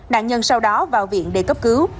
nạn nhân sau đó vào viện để cấp cứu